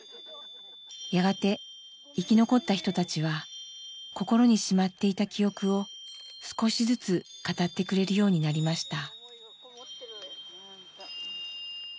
やがて生き残った人たちは心にしまっていた記憶を少しずつ語ってくれるようになりました。